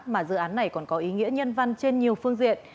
mà dự án này còn có ý nghĩa nhân văn trên nhiều phương diện